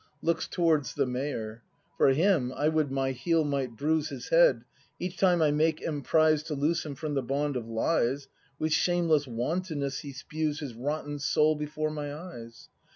[Looks towards the Mayor.] For him, I would my heel might bruise His head! Each time I make emprise To loose him from the bond of lies. With shameless wantonness he spews His rotten soul before my eyes!